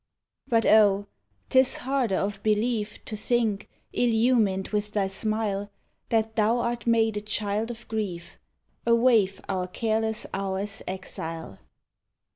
But oh! 'tis harder of belief To think, illumined with thy smile, That thou art made a child of grief, A waif our careless hours exile.